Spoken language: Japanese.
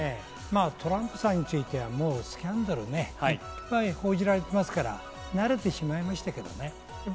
トランプさんについてはスキャンダルがいっぱい報じられてますから、慣れたしまいましたけどね。